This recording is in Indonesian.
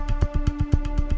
ashore yang dipilih yang ketahui